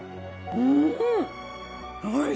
うん。